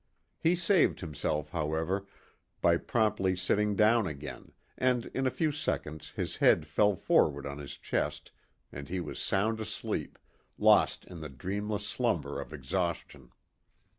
He saved himself, however, by promptly sitting down again, and in a few seconds his head fell forward on his chest and he was sound asleep, lost in the dreamless slumber of exhaustion.